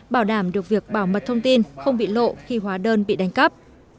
bảo đảm được việc bảo mật thông tin không bị lộ khi hóa đơn bị đánh cắp